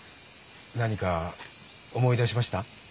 何か思い出しました？